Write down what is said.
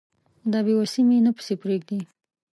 دا بې وسي مي نه پسې پرېږدي